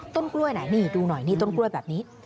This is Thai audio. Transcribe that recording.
ต้นกล้วยไหนนี่ดูหน่อยนี่ต้นกล้วยแบบนี้